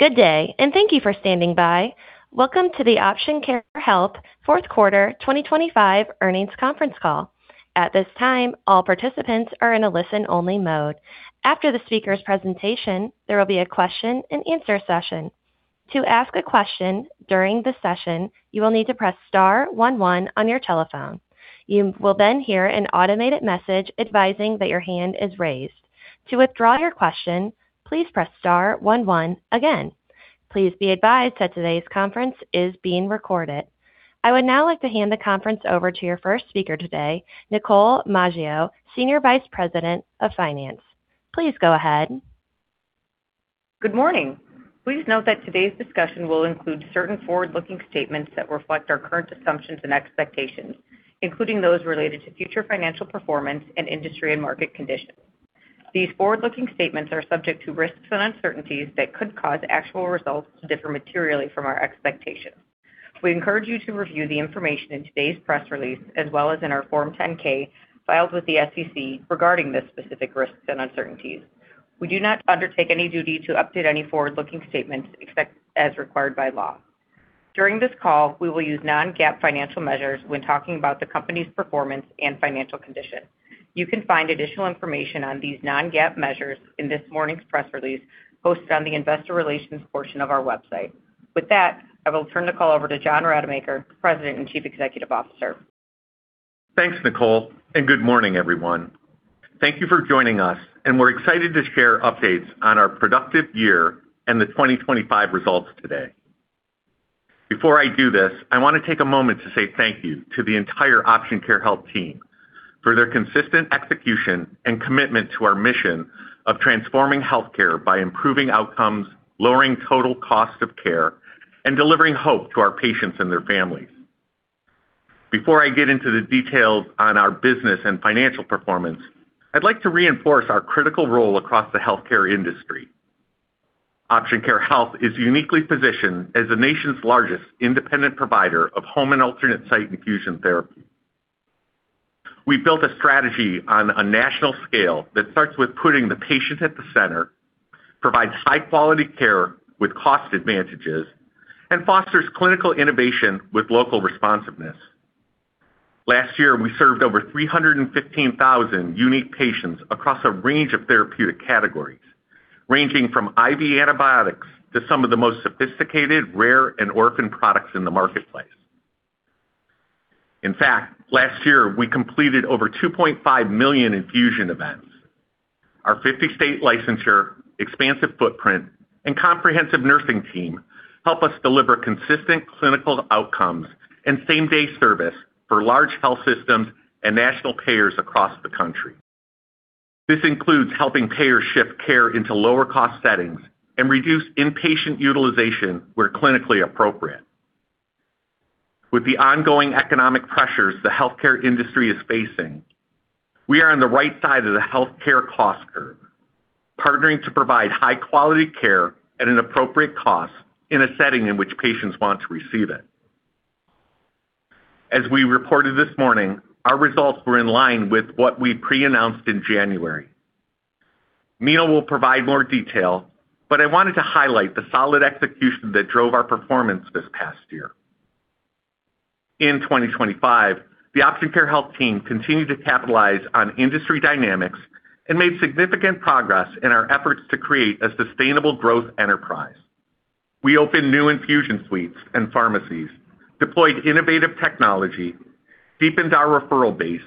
Good day. Thank you for standing by. Welcome to the Option Care Health Q4 2025 earnings conference call. At this time, all participants are in a listen-only mode. After the speaker's presentation, there will be a question and answer session. To ask a question during the session, you will need to press star one one on your telephone. You will hear an automated message advising that your hand is raised. To withdraw your question, please press star one one again. Please be advised that today's conference is being recorded. I would now like to hand the conference over to your first speaker today, Nicole Maggio, Senior Vice President of Finance. Please go ahead. Good morning. Please note that today's discussion will include certain forward-looking statements that reflect our current assumptions and expectations, including those related to future financial performance and industry and market conditions. These forward-looking statements are subject to risks and uncertainties that could cause actual results to differ materially from our expectations. We encourage you to review the information in today's press release, as well as in our Form 10-K, filed with the SEC regarding the specific risks and uncertainties. We do not undertake any duty to update any forward-looking statements except as required by law. During this call, we will use non-GAAP financial measures when talking about the company's performance and financial condition. You can find additional information on these non-GAAP measures in this morning's press release, posted on the investor relations portion of our website. With that, I will turn the call over to John Rademacher, President and Chief Executive Officer. Thanks, Nicole. Good morning, everyone. Thank you for joining us. We're excited to share updates on our productive year and the 2025 results today. Before I do this, I want to take a moment to say thank you to the entire Option Care Health team for their consistent execution and commitment to our mission of transforming healthcare by improving outcomes, lowering total cost of care, and delivering hope to our patients and their families. Before I get into the details on our business and financial performance, I'd like to reinforce our critical role across the healthcare industry. Option Care Health is uniquely positioned as the nation's largest independent provider of home and alternate site infusion therapy. We've built a strategy on a national scale that starts with putting the patient at the center, provides high-quality care with cost advantages, and fosters clinical innovation with local responsiveness. Last year, we served over 315,000 unique patients across a range of therapeutic categories, ranging from IV antibiotics to some of the most sophisticated, rare, and orphan products in the marketplace. In fact, last year, we completed over 2.5 million infusion events. Our 50-state licensure, expansive footprint, and comprehensive nursing team help us deliver consistent clinical outcomes and same-day service for large health systems and national payers across the country. This includes helping payers shift care into lower-cost settings and reduce inpatient utilization where clinically appropriate. With the ongoing economic pressures the healthcare industry is facing, we are on the right side of the healthcare cost curve, partnering to provide high-quality care at an appropriate cost in a setting in which patients want to receive it. As we reported this morning, our results were in line with what we pre-announced in January. Meenal will provide more detail. I wanted to highlight the solid execution that drove our performance this past year. In 2025, the Option Care Health team continued to capitalize on industry dynamics and made significant progress in our efforts to create a sustainable growth enterprise. We opened new infusion suites and pharmacies, deployed innovative technology, deepened our referral base,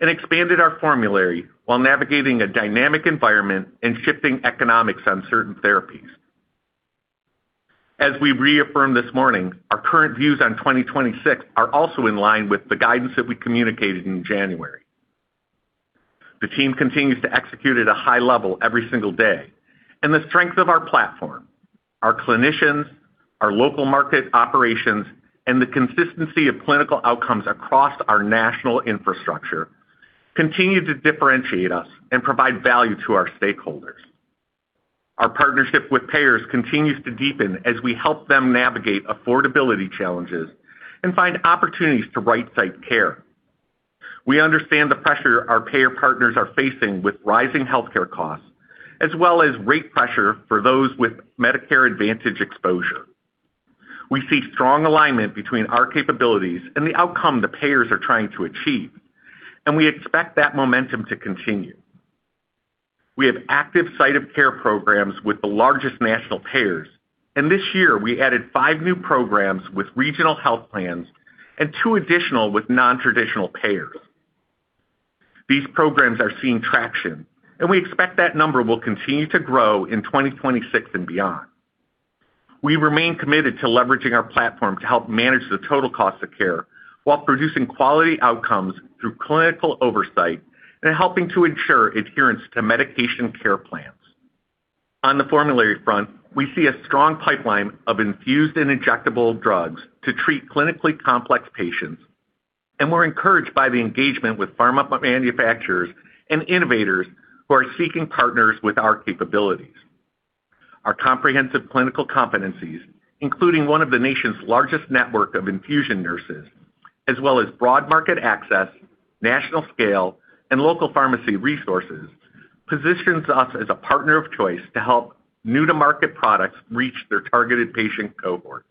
and expanded our formulary while navigating a dynamic environment and shifting economics on certain therapies. As we've reaffirmed this morning, our current views on 2026 are also in line with the guidance that we communicated in January. The team continues to execute at a high level every single day. The strength of our platform, our clinicians, our local market operations, and the consistency of clinical outcomes across our national infrastructure continue to differentiate us and provide value to our stakeholders. Our partnership with payers continues to deepen as we help them navigate affordability challenges and find opportunities to right-site care. We understand the pressure our payer partners are facing with rising healthcare costs, as well as rate pressure for those with Medicare Advantage exposure. We see strong alignment between our capabilities and the outcome the payers are trying to achieve. We expect that momentum to continue. We have active site of care programs with the largest national payers. This year we added five new programs with regional health plans and two additional with nontraditional payers. These programs are seeing traction, and we expect that number will continue to grow in 2026 and beyond. We remain committed to leveraging our platform to help manage the total cost of care while producing quality outcomes through clinical oversight and helping to ensure adherence to medication care plans. On the formulary front, we see a strong pipeline of infused and injectable drugs to treat clinically complex patients. We're encouraged by the engagement with pharma manufacturers and innovators who are seeking partners with our capabilities. Our comprehensive clinical competencies, including one of the nation's largest network of infusion nurses, as well as broad market access, national scale, and local pharmacy resources, positions us as a partner of choice to help new-to-market products reach their targeted patient cohorts.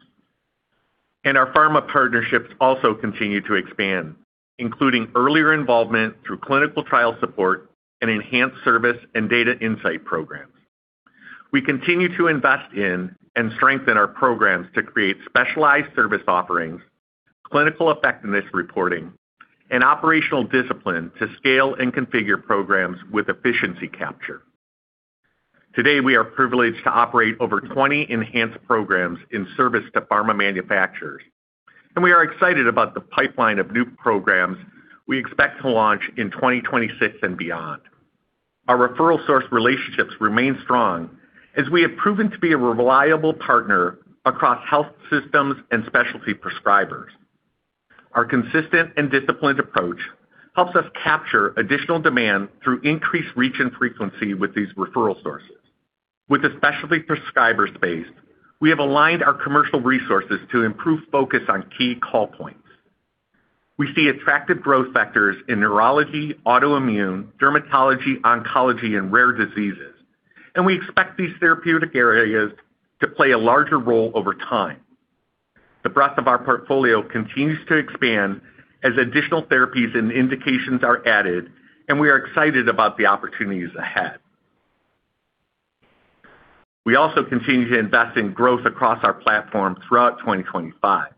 Our pharma partnerships also continue to expand, including earlier involvement through clinical trial support and enhanced service and data insight programs. We continue to invest in and strengthen our programs to create specialized service offerings, clinical effectiveness reporting, and operational discipline to scale and configure programs with efficiency capture. Today, we are privileged to operate over 20 enhanced programs in service to pharma manufacturers, and we are excited about the pipeline of new programs we expect to launch in 2026 and beyond. Our referral source relationships remain strong as we have proven to be a reliable partner across health systems and specialty prescribers. Our consistent and disciplined approach helps us capture additional demand through increased reach and frequency with these referral sources. With the specialty prescriber space, we have aligned our commercial resources to improve focus on key call points. We see attractive growth vectors in neurology, autoimmune, dermatology, oncology, and rare diseases, and we expect these therapeutic areas to play a larger role over time. The breadth of our portfolio continues to expand as additional therapies and indications are added, and we are excited about the opportunities ahead. We also continue to invest in growth across our platform throughout 2025.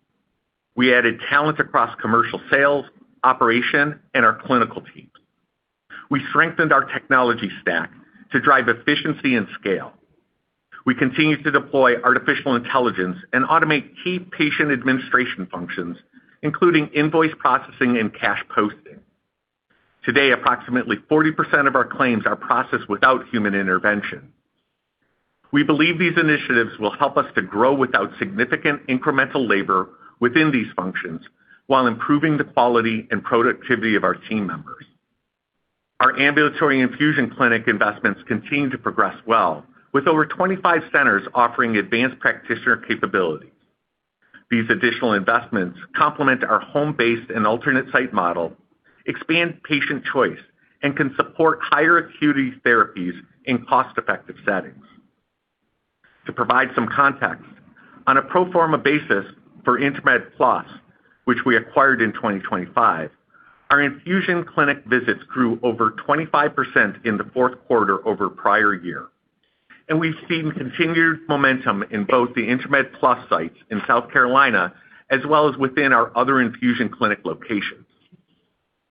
We added talent across commercial sales, operation, and our clinical teams. We strengthened our technology stack to drive efficiency and scale. We continued to deploy artificial intelligence and automate key patient administration functions, including invoice processing and cash posting. Today, approximately 40% of our claims are processed without human intervention. We believe these initiatives will help us to grow without significant incremental labor within these functions, while improving the quality and productivity of our team members. Our ambulatory infusion clinic investments continue to progress well, with over 25 centers offering advanced practitioner capabilities. These additional investments complement our home-based and alternate site model, expand patient choice, and can support higher acuity therapies in cost-effective settings. To provide some context, on a pro forma basis for Intramed Plus, which we acquired in 2025, our infusion clinic visits grew over 25% in the Q4 over prior year, and we've seen continued momentum in both the Intramed Plus sites in South Carolina as well as within our other infusion clinic locations.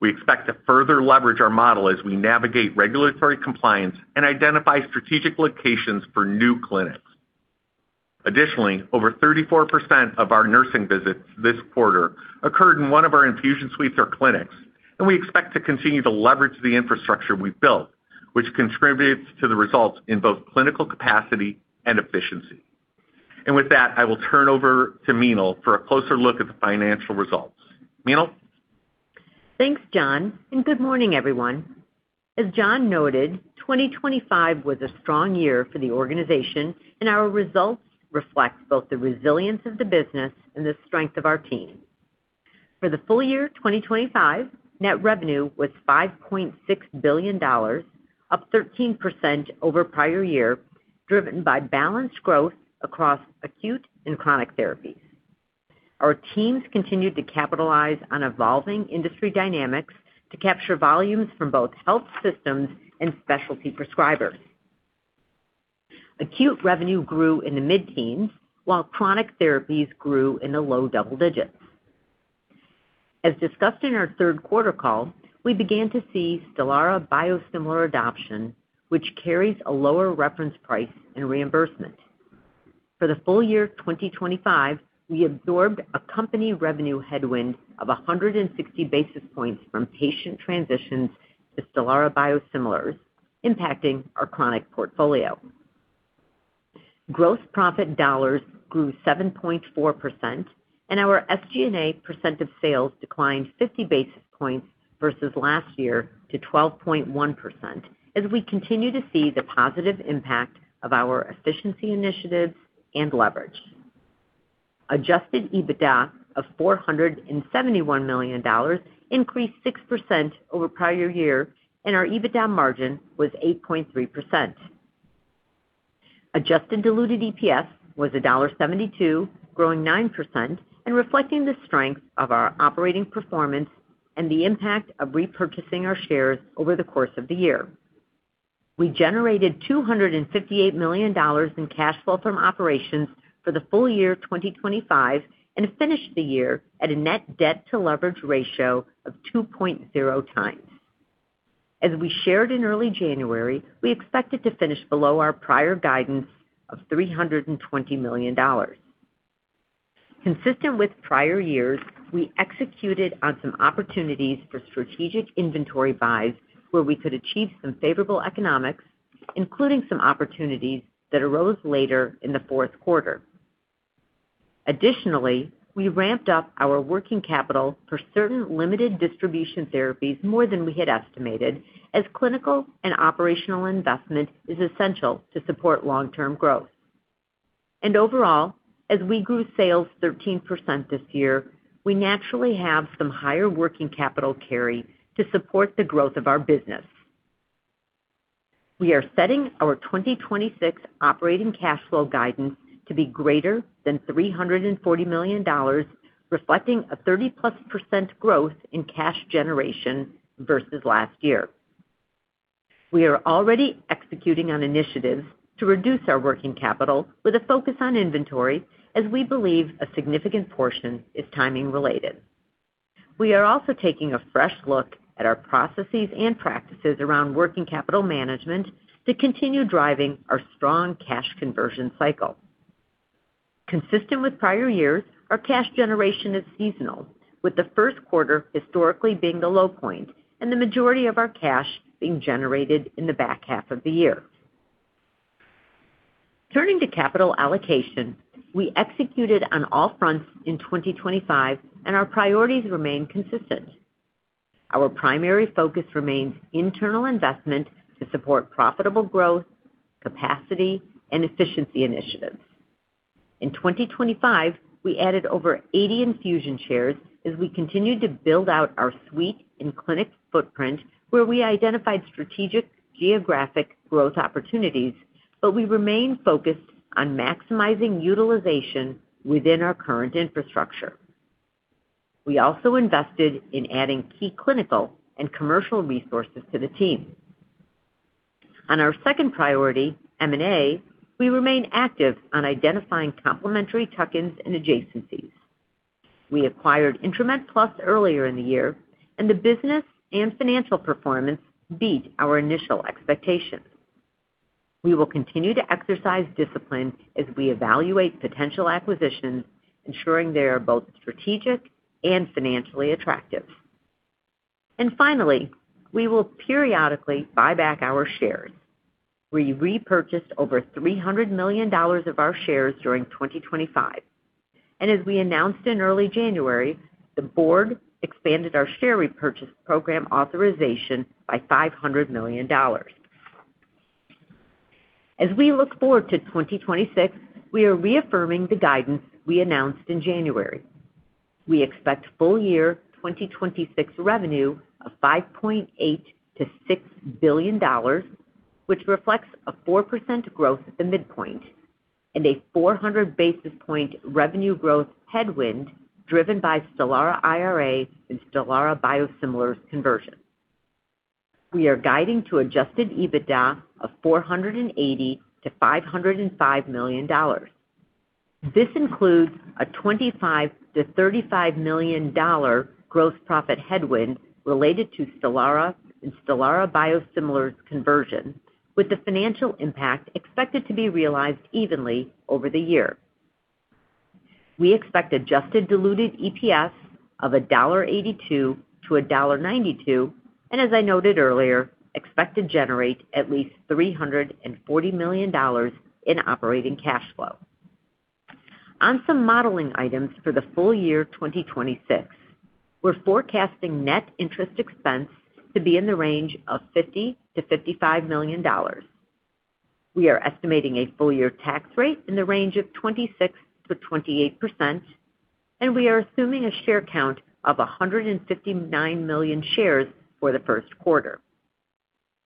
We expect to further leverage our model as we navigate regulatory compliance and identify strategic locations for new clinics. Additionally, over 34% of our nursing visits this quarter occurred in one of our infusion suites or clinics, and we expect to continue to leverage the infrastructure we've built, which contributes to the results in both clinical capacity and efficiency. With that, I will turn over to Meenal for a closer look at the financial results. Meenal? Thanks, John. Good morning, everyone. As John noted, 2025 was a strong year for the organization, and our results reflect both the resilience of the business and the strength of our team. For the full year 2025, net revenue was $5.6 billion, up 13% over prior year, driven by balanced growth across acute and chronic therapies. Our teams continued to capitalize on evolving industry dynamics to capture volumes from both health systems and specialty prescribers. Acute revenue grew in the mid-teens, while chronic therapies grew in the low double digits. As discussed in our third quarter call, we began to see Stelara biosimilar adoption, which carries a lower reference price and reimbursement. For the full year 2025, we absorbed a company revenue headwind of 160 basis points from patient transitions to Stelara biosimilars, impacting our chronic portfolio. Gross profit dollars grew 7.4%. Our SG&A percent of sales declined 50 basis points versus last year to 12.1%, as we continue to see the positive impact of our efficiency initiatives and leverage. Adjusted EBITDA of $471 million increased 6% over prior year. Our EBITDA margin was 8.3%. Adjusted diluted EPS was $1.72, growing 9% and reflecting the strength of our operating performance and the impact of repurchasing our shares over the course of the year. We generated $258 million in cash flow from operations for the full year 2025. Finished the year at a net debt to leverage ratio of 2.0x. As we shared in early January, we expected to finish below our prior guidance of $320 million. Consistent with prior years, we executed on some opportunities for strategic inventory buys where we could achieve some favorable economics, including some opportunities that arose later in the Q4. Additionally, we ramped up our working capital for certain limited distribution therapies more than we had estimated, as clinical and operational investment is essential to support long-term growth. Overall, as we grew sales 13% this year, we naturally have some higher working capital carry to support the growth of our business. We are setting our 2026 operating cash flow guidance to be greater than $340 million, reflecting a 30%+ growth in cash generation versus last year. We are already executing on initiatives to reduce our working capital with a focus on inventory, as we believe a significant portion is timing related. We are also taking a fresh look at our processes and practices around working capital management to continue driving our strong cash conversion cycle. Consistent with prior years, our cash generation is seasonal, with the Q1 historically being the low point and the majority of our cash being generated in the back half of the year. Turning to capital allocation, we executed on all fronts in 2025. Our priorities remain consistent. Our primary focus remains internal investment to support profitable growth, capacity, and efficiency initiatives. In 2025, we added over 80 infusion chairs as we continued to build out our suite and clinic footprint, where we identified strategic geographic growth opportunities, but we remain focused on maximizing utilization within our current infrastructure. We also invested in adding key clinical and commercial resources to the team. On our second priority, M&A, we remain active on identifying complementary tuck-ins and adjacencies. We acquired Intramed Plus earlier in the year, and the business and financial performance beat our initial expectations. We will continue to exercise discipline as we evaluate potential acquisitions, ensuring they are both strategic and financially attractive. Finally, we will periodically buy back our shares. We repurchased over $300 million of our shares during 2025, and as we announced in early January, the board expanded our share repurchase program authorization by $500 million. As we look forward to 2026, we are reaffirming the guidance we announced in January. We expect full year 2026 revenue of $5.8 billion-6 billion, which reflects a 4% growth at the midpoint and a 400 basis point revenue growth headwind, driven by STELARA IRA and STELARA biosimilars conversion. We are guiding to adjusted EBITDA of $480 million-505 million. This includes a $25 million-35 million gross profit headwind related to STELARA and STELARA biosimilars conversion, with the financial impact expected to be realized evenly over the year. We expect adjusted diluted EPS of $1.82-1.92. As I noted earlier, expect to generate at least $340 million in operating cash flow. On some modeling items for the full year 2026, we're forecasting net interest expense to be in the range of $50 million-55 million. We are estimating a full year tax rate in the range of 26-28%, we are assuming a share count of 159 million shares for the Q1.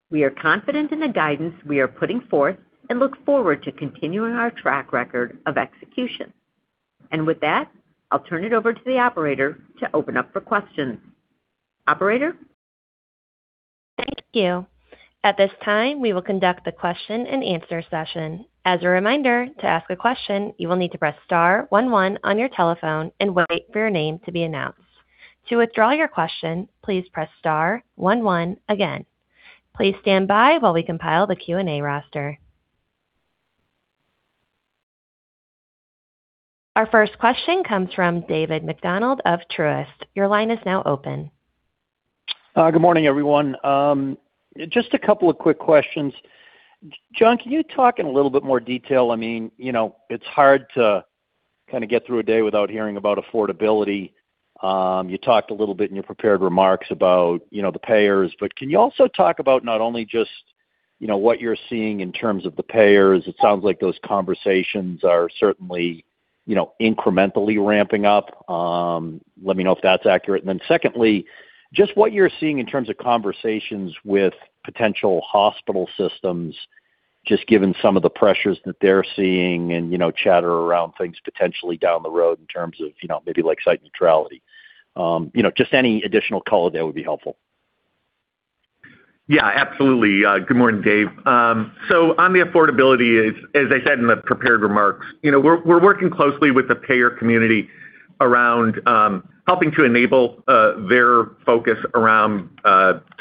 We are confident in the guidance we are putting forth and look forward to continuing our track record of execution. With that, I'll turn it over to the operator to open up for questions. Operator? Thank you. At this time, we will conduct the question-and-answer session. As a reminder, to ask a question, you will need to press star one one on your telephone and wait for your name to be announced. To withdraw your question, please press star one one again. Please stand by while we compile the Q&A roster. Our first question comes from David MacDonald of Truist. Your line is now open. Good morning, everyone. Just a couple of quick questions. John, can you talk in a little bit more detail? I mean, you know, it's hard to kind of get through a day without hearing about affordability. You talked a little bit in your prepared remarks about, you know, the payers, but can you also talk about not only just, you know, what you're seeing in terms of the payers? It sounds like those conversations are certainly, you know, incrementally ramping up. Let me know if that's accurate. Secondly, just what you're seeing in terms of conversations with potential hospital systems, just given some of the pressures that they're seeing and, you know, chatter around things potentially down the road in terms of, you know, maybe like site neutrality. You know, just any additional color there would be helpful. Yeah, absolutely. Good morning, Dave. On the affordability, as I said in the prepared remarks, you know, we're working closely with the payer community around helping to enable their focus around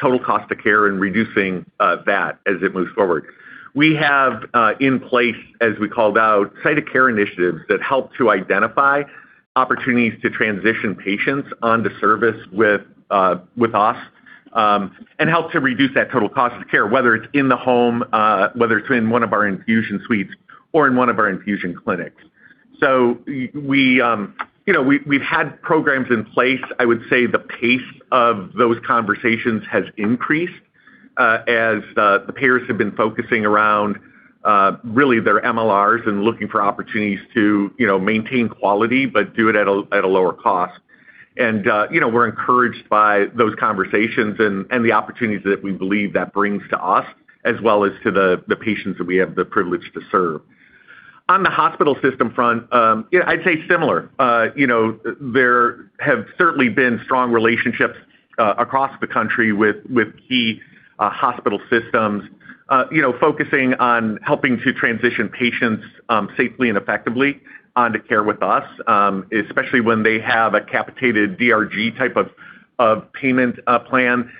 total cost of care and reducing that as it moves forward. We have in place, as we called out, site of care initiatives that help to identify opportunities to transition patients onto service with us and help to reduce that total cost of care, whether it's in the home, whether it's in one of our infusion suites or in one of our infusion clinics. You know, we've had programs in place. I would say the pace of those conversations has increased, as the payers have been focusing around really their MLRs and looking for opportunities to, you know, maintain quality, but do it at a lower cost. You know, we're encouraged by those conversations and the opportunities that we believe that brings to us, as well as to the patients that we have the privilege to serve. On the hospital system front, yeah, I'd say similar. You know, there have certainly been strong relationships across the country with key hospital systems, you know, focusing on helping to transition patients safely and effectively onto care with us, especially when they have a capitated DRG type of payment plan.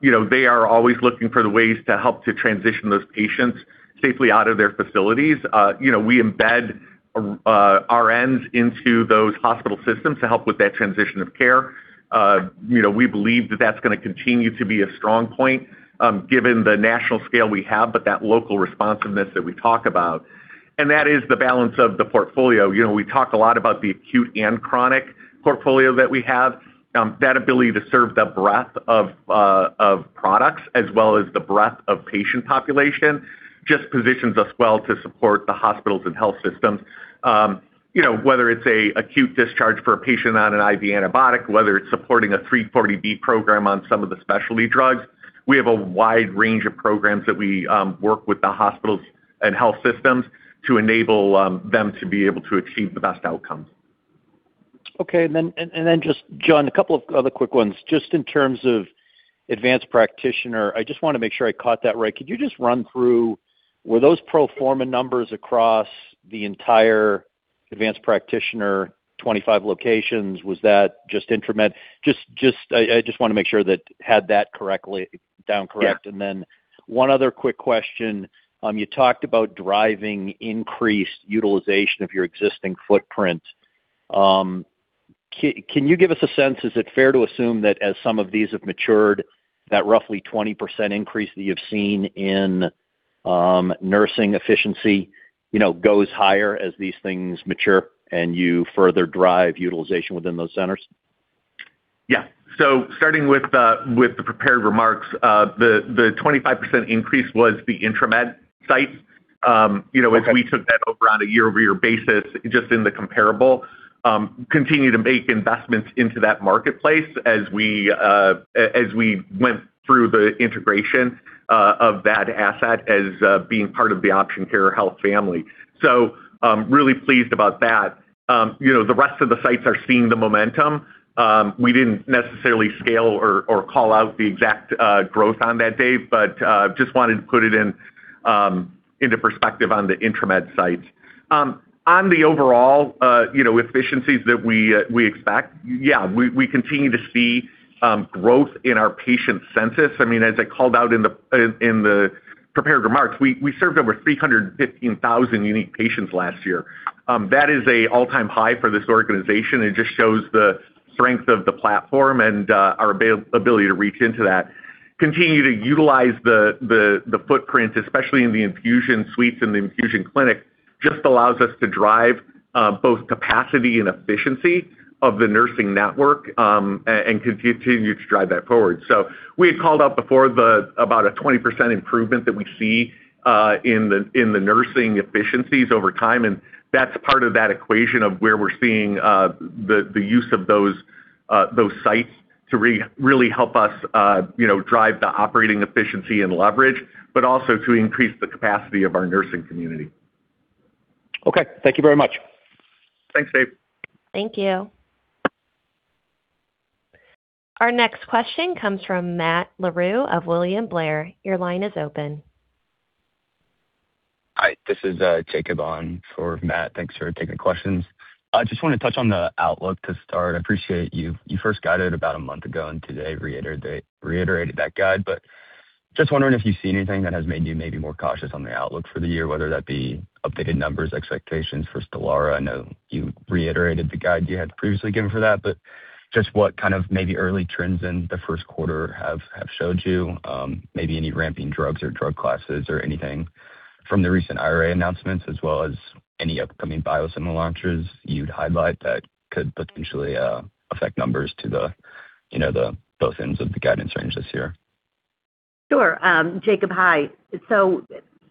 You know, they are always looking for the ways to help to transition those patients safely out of their facilities. You know, we embed our RNs into those hospital systems to help with that transition of care. You know, we believe that that's gonna continue to be a strong point, given the national scale we have, but that local responsiveness that we talk about. That is the balance of the portfolio. You know, we talk a lot about the acute and chronic portfolio that we have. That ability to serve the breadth of products as well as the breadth of patient population, just positions us well to support the hospitals and health systems. You know, whether it's a acute discharge for a patient on an IV antibiotic, whether it's supporting a 340B program on some of the specialty drugs, we have a wide range of programs that we work with the hospitals and health systems to enable them to be able to achieve the best outcomes. Okay. Just, John, a couple of other quick ones. Just in terms of advanced practitioner, I just wanna make sure I caught that right. Could you just run through, were those pro forma numbers across the entire advanced practitioner, 25 locations? Was that just Intramed? Just, I just wanna make sure that had that correctly, down correct. Yeah. One other quick question. You talked about driving increased utilization of your existing footprint. Can you give us a sense, is it fair to assume that as some of these have matured, that roughly 20% increase that you've seen in, nursing efficiency, you know, goes higher as these things mature and you further drive utilization within those centers? Yeah. Starting with the prepared remarks, the 25% increase was the Intramed sites. you know. Okay as we took that over on a year-over-year basis, just in the comparable, continue to make investments into that marketplace as we went through the integration of that asset as being part of the Option Care Health family. Really pleased about that. You know, the rest of the sites are seeing the momentum. We didn't necessarily scale or call out the exact growth on that, Dave, just wanted to put it into perspective on the Intramed sites. On the overall, you know, efficiencies that we expect, we continue to see growth in our patient census. I mean, as I called out in the prepared remarks, we served over 315,000 unique patients last year. That is a all-time high for this organization, and it just shows the strength of the platform and our ability to reach into that. Continue to utilize the footprint, especially in the infusion suites and the infusion clinic, just allows us to drive both capacity and efficiency of the nursing network and continue to drive that forward. We had called out before the, about a 20% improvement that we see in the nursing efficiencies over time, and that's part of that equation of where we're seeing the use of those sites to really help us, you know, drive the operating efficiency and leverage, but also to increase the capacity of our nursing community. Okay. Thank you very much. Thanks, Dave. Thank you. Our next question comes from Matt Larew of William Blair. Your line is open. Hi, this is Jacob on for Matt. Thanks for taking the questions. I just wanna touch on the outlook to start. I appreciate you first guided about a month ago, and today reiterated that guide. Just wondering if you've seen anything that has made you maybe more cautious on the outlook for the year, whether that be updated numbers, expectations for Stelara. I know you reiterated the guide you had previously given for that, but just what kind of maybe early trends in the Q1 have showed you, maybe any ramping drugs or drug classes or anything from the recent IRA announcements, as well as any upcoming biosimilar launches you'd highlight that could potentially affect numbers to the, you know, the both ends of the guidance range this year? Sure. Jacob, hi.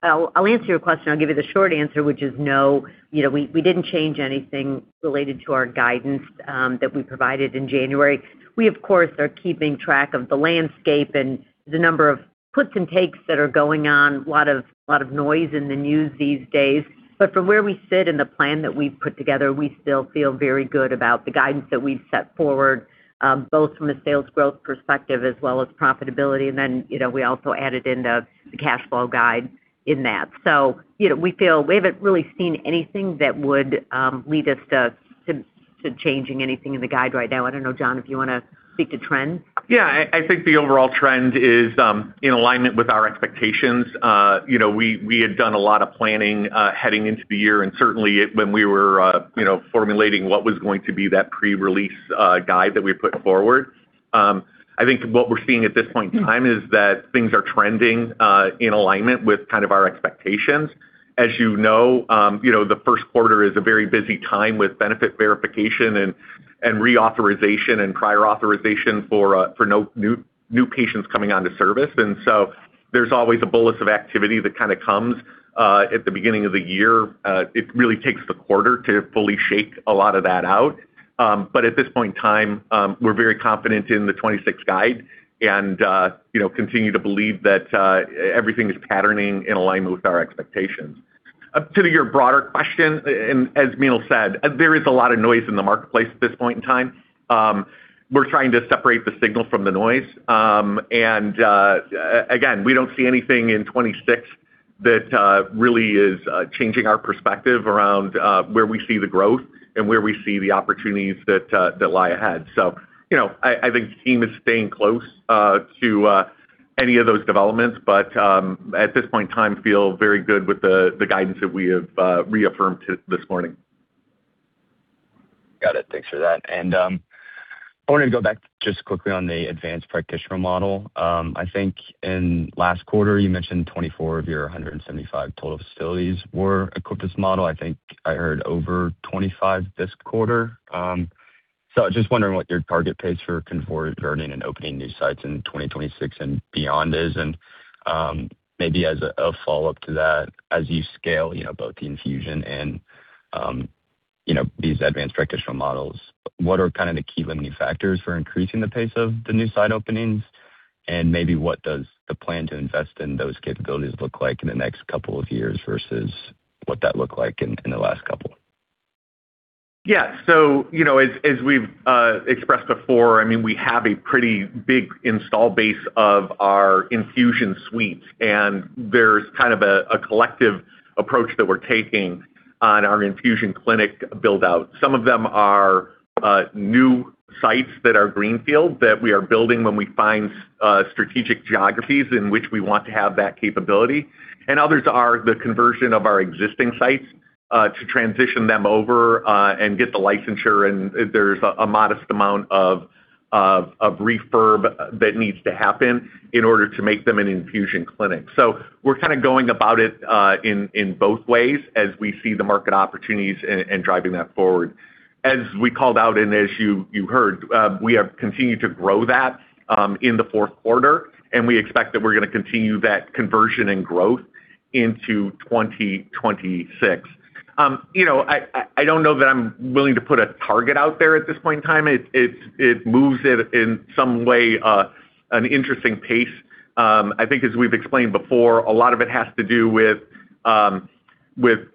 I'll answer your question, I'll give you the short answer, which is no. You know, we didn't change anything related to our guidance that we provided in January. We, of course, are keeping track of the landscape and the number of puts and takes that are going on. A lot of noise in the news these days. From where we sit and the plan that we've put together, we still feel very good about the guidance that we've set forward both from a sales growth perspective as well as profitability. You know, we also added in the cash flow guide in that. You know, we feel we haven't really seen anything that would lead us to changing anything in the guide right now. I don't know, John, if you wanna speak to trends? Yeah. I think the overall trend is in alignment with our expectations. You know, we had done a lot of planning heading into the year, and certainly when we were, you know, formulating what was going to be that pre-release guide that we put forward. I think what we're seeing at this point in time is that things are trending in alignment with kind of our expectations. As you know, the Q1 is a very busy time with benefit verification and reauthorization and prior authorization for new patients coming onto service. There's always a bolus of activity that kind of comes at the beginning of the year. It really takes the quarter to fully shake a lot of that out. At this point in time, we're very confident in the 2026 guide and continue to believe that everything is patterning in alignment with our expectations. To your broader question, and as Meenal said, there is a lot of noise in the marketplace at this point in time. We're trying to separate the signal from the noise. Again, we don't see anything in 2026 that really is changing our perspective around where we see the growth and where we see the opportunities that lie ahead. I think the team is staying close to any of those developments, but at this point in time, feel very good with the guidance that we have reaffirmed this morning. Got it. Thanks for that. I wanted to go back just quickly on the advanced practitioner model. I think in last quarter, you mentioned 24 of your 175 total facilities were equipped with this model. I think I heard over 25 this quarter. So I was just wondering what your target pace for converting and opening new sites in 2026 and beyond is? Maybe as a follow-up to that, as you scale, you know, both the infusion and, you know, these advanced practitioner models, what are kind of the key limiting factors for increasing the pace of the new site openings? Maybe what does the plan to invest in those capabilities look like in the next couple of years versus what that looked like in the last couple? You know, as we've expressed before, I mean, we have a pretty big install base of our infusion suites, and there's kind of a collective approach that we're taking on our infusion clinic build-out. Some of them are new sites that are greenfield, that we are building when we find strategic geographies in which we want to have that capability. Others are the conversion of our existing sites to transition them over and get the licensure, and there's a modest amount of refurb that needs to happen in order to make them an infusion clinic. We're kind of going about it in both ways as we see the market opportunities and driving that forward. As we called out, as you heard, we have continued to grow that in the Q4, and we expect that we're going to continue that conversion and growth into 2026. You know, I don't know that I'm willing to put a target out there at this point in time. It moves it in some way, an interesting pace. I think as we've explained before, a lot of it has to do with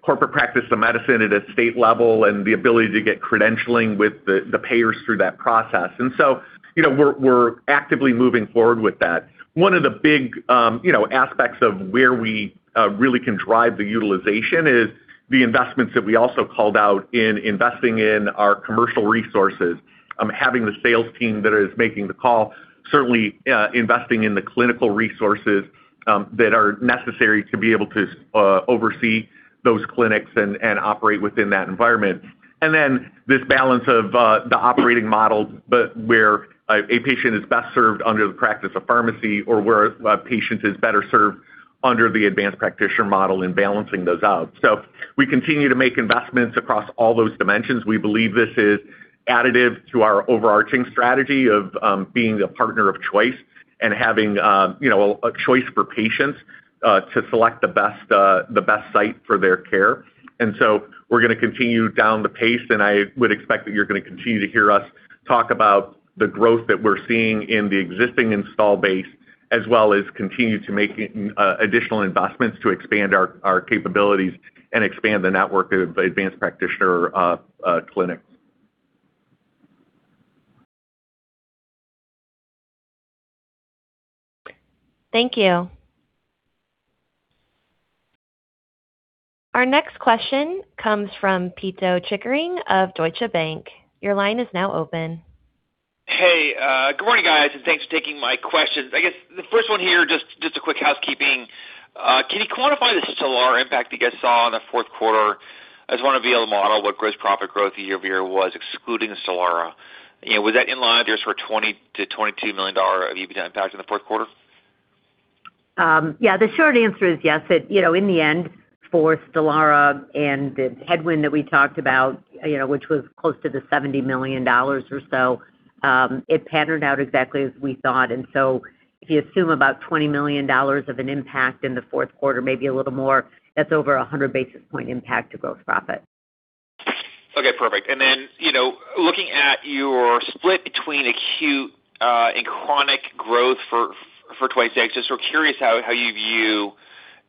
corporate practice of medicine at a state level and the ability to get credentialing with the payers through that process. You know, we're actively moving forward with that. One of the big, you know, aspects of where we really can drive the utilization is the investments that we also called out in investing in our commercial resources. Having the sales team that is making the call, certainly, investing in the clinical resources that are necessary to be able to oversee those clinics and operate within that environment. This balance of the operating model, but where a patient is best served under the practice of pharmacy or where a patient is better served under the advanced practitioner model and balancing those out. We continue to make investments across all those dimensions. We believe this is additive to our overarching strategy of being a partner of choice and having, you know, a choice for patients to select the best site for their care. We're going to continue down the pace, and I would expect that you're going to continue to hear us talk about the growth that we're seeing in the existing install base, as well as continue to make additional investments to expand our capabilities and expand the network of advanced practitioner clinics. Thank you. Our next question comes from Pito Chickering of Deutsche Bank. Your line is now open. Good morning, guys. Thanks for taking my questions. I guess the first one here, just a quick housekeeping. Can you quantify the Stelara impact that you guys saw in the Q4 as want to be able to model what gross profit growth year-over-year was excluding the Stelara? You know, was that in line just for $20 million-22 million of EBITDA impact in the Q4? Yeah, the short answer is yes. You know, in the end, for Stelara and the headwind that we talked about, you know, which was close to $70 million or so, it patterned out exactly as we thought. If you assume about $20 million of an impact in the Q4, maybe a little more, that's over a 100 basis point impact to gross profit. Okay, perfect. You know, looking at your split between acute and chronic growth for 2026, just sort of curious how you view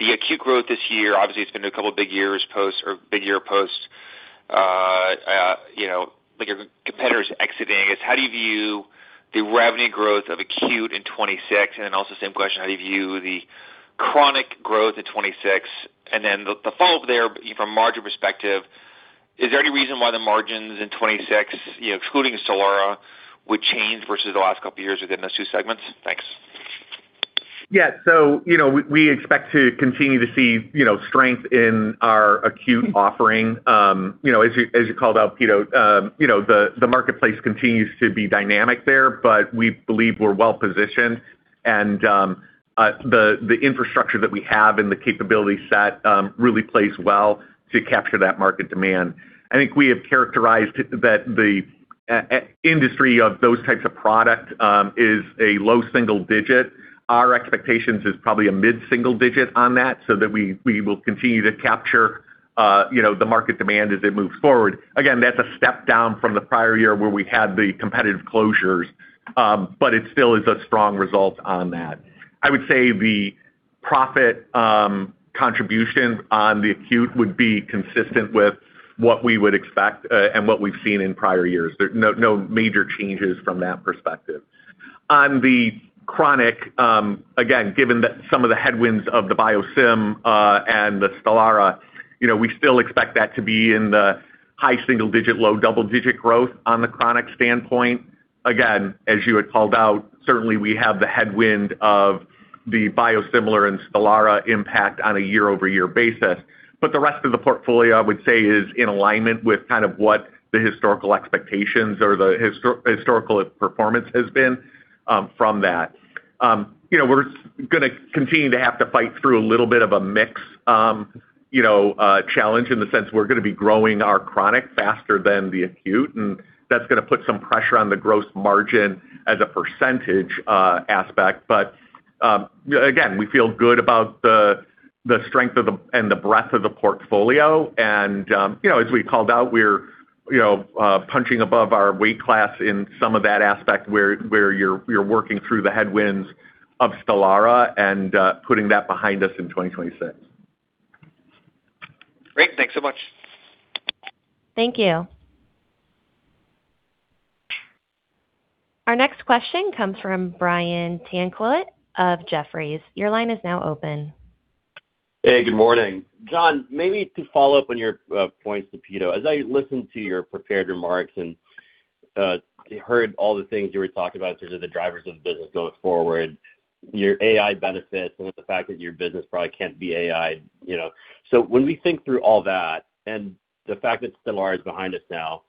the acute growth this year. Obviously, it's been a couple of big years post, you know, like your competitors exiting. How do you view the revenue growth of acute in 2026? Also the same question, how do you view the chronic growth at 2026? The follow-up there, from a margin perspective, is there any reason why the margins in 2026, you know, excluding Stelara, would change versus the last couple of years within those two segments? Thanks. You know, we expect to continue to see, you know, strength in our acute offering. You know, as you called out, Pito, you know, the marketplace continues to be dynamic there, but we believe we're well positioned. The infrastructure that we have and the capability set really plays well to capture that market demand. I think we have characterized that the industry of those types of product is a low single digit. Our expectations is probably a mid-single digit on that, so that we will continue to capture, you know, the market demand as it moves forward. That's a step down from the prior year where we had the competitive closures, but it still is a strong result on that. I would say the profit contributions on the acute would be consistent with what we would expect and what we've seen in prior years. No major changes from that perspective. On the chronic, again, given that some of the headwinds of the biosim and the Stelara, you know, we still expect that to be in the high single digit, low double-digit growth on the chronic standpoint. Again, as you had called out, certainly we have the headwind of the biosimilar and Stelara impact on a year-over-year basis. The rest of the portfolio, I would say, is in alignment with kind of what the historical expectations or the historical performance has been from that. You know, we're gonna continue to have to fight through a little bit of a mix, you know, challenge in the sense we're gonna be growing our chronic faster than the acute, and that's gonna put some pressure on the gross margin as a percentage aspect. Again, we feel good about the strength and the breadth of the portfolio. You know, as we called out, we're, you know, punching above our weight class in some of that aspect, where you're working through the headwinds of Stelara and putting that behind us in 2026. Great. Thanks so much. Thank you. Our next question comes from Brian Tanquilut of Jefferies. Your line is now open. Hey, good morning. John, maybe to follow up on your points to Pito, as I listened to your prepared remarks and heard all the things you were talking about in terms of the drivers of the business going forward, your AI benefits, and the fact that your business probably can't be AI, you know. When we think through all that, and the fact that Stelara is behind us now,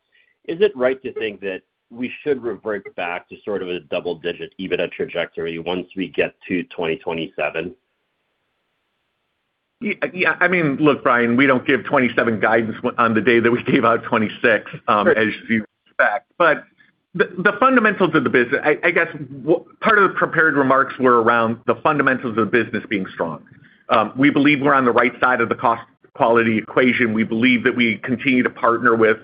is it right to think that we should revert back to sort of a double-digit EBITDA trajectory once we get to 2027? Yeah. I mean, look, Brian, we don't give 2027 guidance on the day that we gave out 2026, as you expect. The fundamentals of the business. I guess, part of the prepared remarks were around the fundamentals of business being strong. We believe we're on the right side of the cost quality equation. We believe that we continue to partner with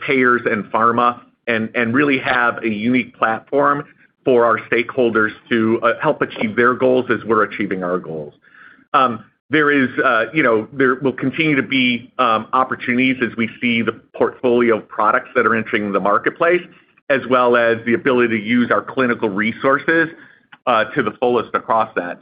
payers and pharma, and really have a unique platform for our stakeholders to help achieve their goals as we're achieving our goals. There is, you know, there will continue to be opportunities as we see the portfolio of products that are entering the marketplace, as well as the ability to use our clinical resources to the fullest across that.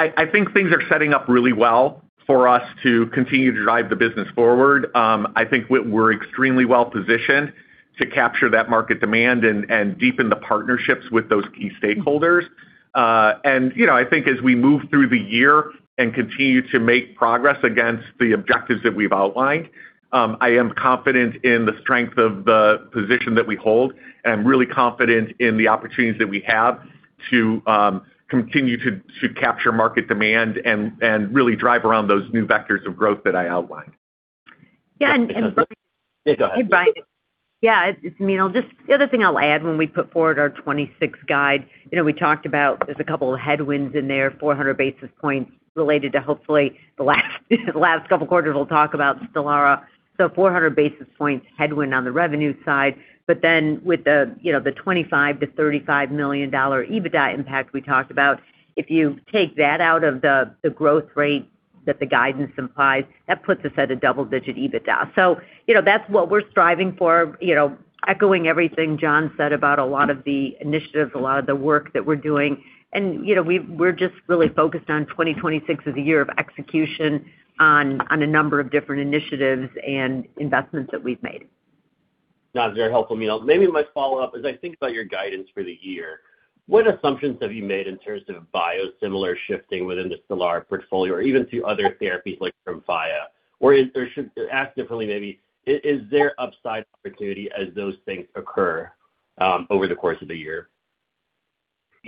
I think things are setting up really well for us to continue to drive the business forward. I think we're extremely well positioned to capture that market demand and deepen the partnerships with those key stakeholders. You know, I think as we move through the year and continue to make progress against the objectives that we've outlined, I am confident in the strength of the position that we hold, and I'm really confident in the opportunities that we have to continue to capture market demand and really drive around those new vectors of growth that I outlined. Yeah, and. Yeah, go ahead. Hey, Brian. Yeah, it's Meenal. Just the other thing I'll add when we put forward our 2026 guide, you know, we talked about there's a couple of headwinds in there, 400 basis points related to hopefully the last, the last couple of quarters, we'll talk about Stelara. 400 basis points headwind on the revenue side. With the, you know, the $25 million-35 million EBITDA impact we talked about, if you take that out of the growth rate that the guidance implies, that puts us at a double-digit EBITDA. You know, that's what we're striving for, you know, echoing everything John said about a lot of the initiatives, a lot of the work that we're doing. you know, we're just really focused on 2026 as a year of execution on a number of different initiatives and investments that we've made. That's very helpful, Meenal. Maybe my follow-up, as I think about your guidance for the year, what assumptions have you made in terms of biosimilar shifting within the Stelara portfolio or even to other therapies like from Pfizer? Should ask differently, maybe, is there upside opportunity as those things occur over the course of the year?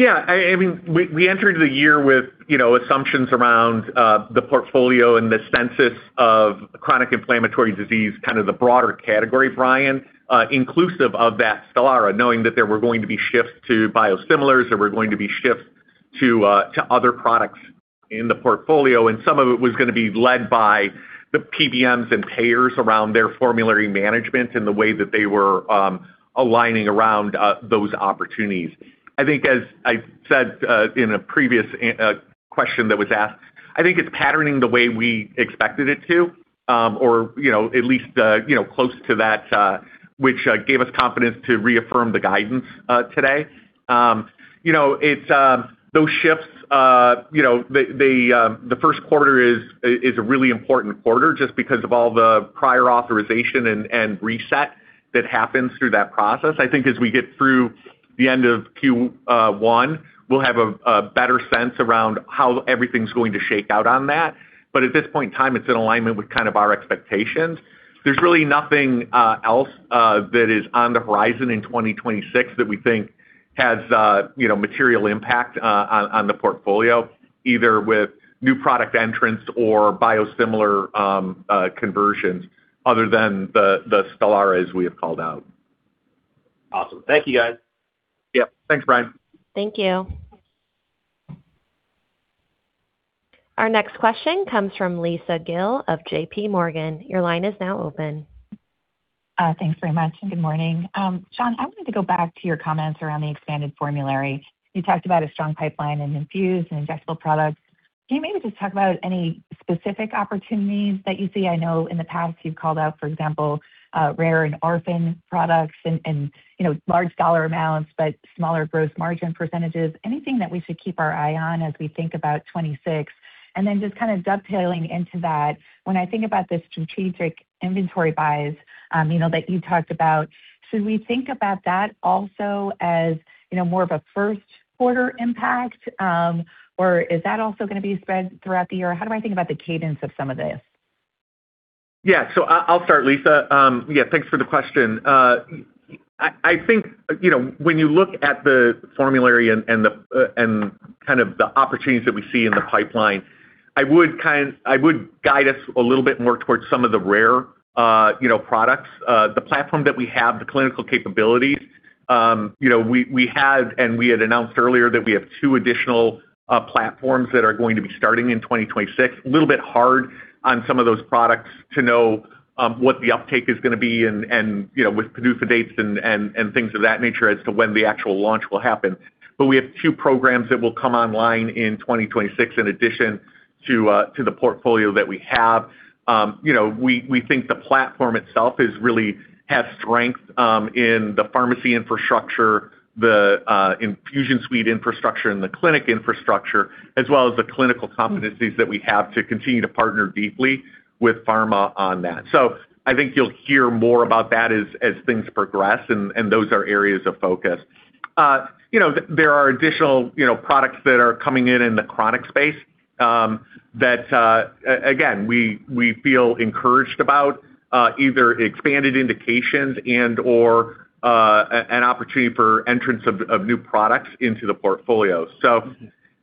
Yeah, I mean, we entered the year with, you know, assumptions around the portfolio and the census of chronic inflammatory disease, kind of the broader category, Brian, inclusive of that Stelara, knowing that there were going to be shifts to biosimilars, there were going to be shifts to other products in the portfolio, and some of it was gonna be led by the PBMs and payers around their formulary management and the way that they were aligning around those opportunities. I think, as I said, in a previous question that was asked, I think it's patterning the way we expected it to, or, you know, at least, you know, close to that, which gave us confidence to reaffirm the guidance today. You know, it's, those shifts, you know, the, the Q1 is a really important quarter just because of all the prior authorization and reset that happens through that process. I think as we get through the end of Q1, we'll have a better sense around how everything's going to shake out on that. At this point in time, it's in alignment with kind of our expectations. There's really nothing else that is on the horizon in 2026 that we think has, you know, material impact on the portfolio, either with new product entrants or biosimilar conversions other than the Stelara, as we have called out. Awesome. Thank you, guys. Yep. Thanks, Brian. Thank you. Our next question comes from Lisa Gill of JPMorgan. Your line is now open. Thanks very much, good morning. John, I wanted to go back to your comments around the expanded formulary. You talked about a strong pipeline in infused and injectable products. Can you maybe just talk about any specific opportunities that you see? I know in the past you've called out, for example, rare and orphan products and, you know, large dollar amounts, but smaller gross margin %. Anything that we should keep our eye on as we think about 26? Then just kind of dovetailing into that, when I think about the strategic inventory buys, you know, that you talked about, should we think about that also as, you know, more of a Q1 impact, or is that also going to be spread throughout the year? How do I think about the cadence of some of this? Yeah. I'll start, Lisa. Yeah, thanks for the question. I think, you know, when you look at the formulary and the, and kind of the opportunities that we see in the pipeline, I would guide us a little bit more towards some of the rare, you know, products. The platform that we have, the clinical capabilities, you know, we have, and we had announced earlier that we have two additional platforms that are going to be starting in 2026. A little bit hard on some of those products to know, what the uptake is going to be and, you know, with producer dates and, and things of that nature as to when the actual launch will happen. We have two programs that will come online in 2026, in addition to the portfolio that we have. You know, we think the platform itself has strength in the pharmacy infrastructure, the infusion suite infrastructure, and the clinic infrastructure, as well as the clinical competencies that we have to continue to partner deeply with pharma on that. I think you'll hear more about that as things progress, and those are areas of focus. You know, there are additional, you know, products that are coming in in the chronic space, that again, we feel encouraged about, either expanded indications and/or an opportunity for entrants of new products into the portfolio.